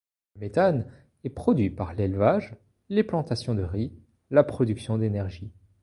Le méthane est produit par l'élevage, les plantations de riz, la production d'énergie.